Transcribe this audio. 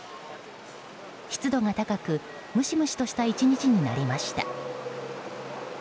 湿度が高くムシムシとした１日になりました。